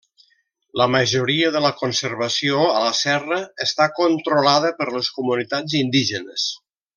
La majoria de la conservació a la serra està controlada per les comunitats indígenes.